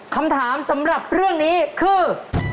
คำถามสำหรับเรื่องนี้คือ